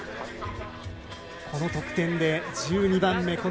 この得点で１２番目。